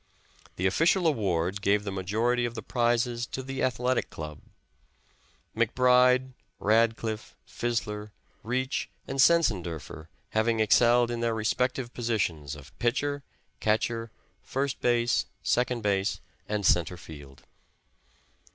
The official award gave the majority of the prizes to the Athletic club. McBride, Radcliff, Fisler, Reach and Sensenderfer, having excelled in their respective positions of pitcher, catcher, first base, second base, and center field.